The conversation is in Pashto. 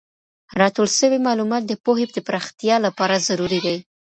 راټول سوی معلومات د پوهې د پراختیا لپاره ضروري دي.